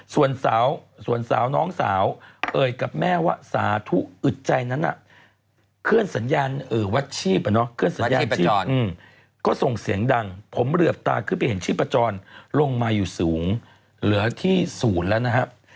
ส่วนสาวน้องสาวเอ่ยกับแม่ว่าสาธุอึดใจนั้นเคลื่อนสัญญาณวัดชีพก็ส่งเสียงดังผมเหลือบตาขึ้นไปเห็นชีพประจอนลงมาอยู่สูงเหลือที่๐แล้วนะครับ